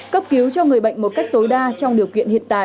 cấp cứu cho người bệnh một cách tối đa trong điều kiện hiện tại